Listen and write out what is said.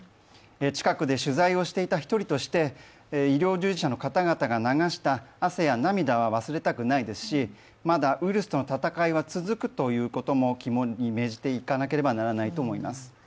近くで取材をしていた１人として、医療従事者の方々が流した汗や涙は忘れたくないですし、まだウイルスとの闘いは続くということも肝に銘じていかなければいけないと思います。